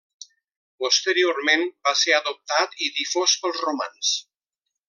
Posteriorment, va ser adoptat i difós pels romans.